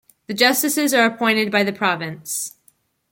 The Justices are appointed by the province.